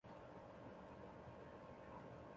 后汉干佑二年窦偁中进士。